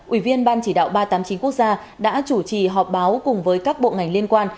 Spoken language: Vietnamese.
ủy viên ban chỉ đạo ba trăm tám mươi chín quốc gia đã chủ trì họp báo cùng với các bộ ngành liên quan